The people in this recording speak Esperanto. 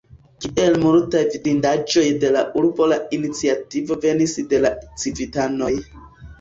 Kiel multaj vidindaĵoj de la urbo la iniciativo venis de la civitanoj.